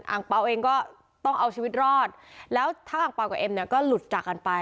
เปล่าเองก็ต้องเอาชีวิตรอดแล้วทั้งอังเปล่ากับเอ็มเนี่ยก็หลุดจากกันไป